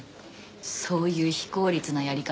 そういう非効率なやり方